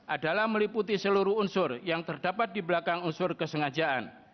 adalah meliputi seluruh unsur yang terdapat di belakang unsur kesengajaan